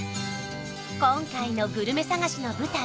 今回のグルメ探しの舞台